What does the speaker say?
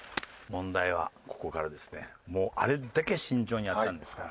もうあれだけ慎重にやったんですから。